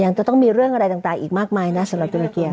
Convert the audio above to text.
จะต้องมีเรื่องอะไรต่างอีกมากมายนะสำหรับตุรเกีย